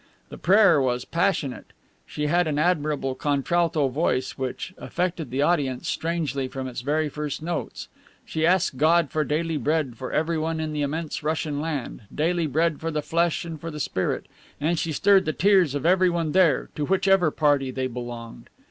The prayer was passionate. She had an admirable contralto voice which affected the audience strangely from its very first notes. She asked God for daily bread for everyone in the immense Russian land, daily bread for the flesh and for the spirit, and she stirred the tears of everyone there, to which ever party they belonged.